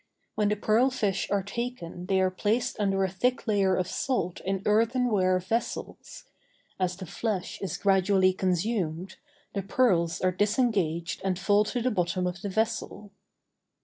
When the pearl fish are taken they are placed under a thick layer of salt in earthen ware vessels; as the flesh is gradually consumed, the pearls are disengaged and fall to the bottom of the vessel.